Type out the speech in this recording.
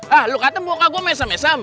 hah lu kateng buah kak gue mesem mesem